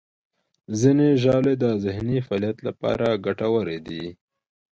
ځینې ژاولې د ذهني فعالیت لپاره ګټورې دي.